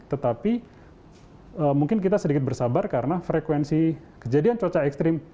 tetapi mungkin kita sedikit bersabar karena frekuensi kejadian cuaca ekstrim